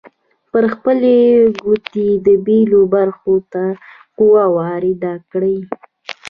پر خپلې ګوتې د بیلو برخو ته قوه وارده کړئ.